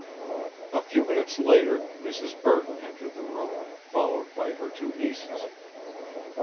A few minutes later Mrs. Burton entered the room, followed by her two nieces.